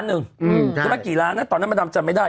ไม่รู้สึกว่าเกี่ยวนะตอนนั้นมดรมไม่ได้